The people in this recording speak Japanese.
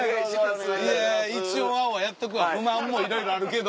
いや一応「ワオ！」はやっとくわ不満もいろいろあるけど。